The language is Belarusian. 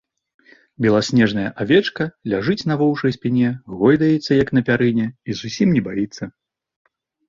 Беласнежная авечка ляжыць на воўчай спіне, гойдаецца, як на пярыне, і зусім не баіцца.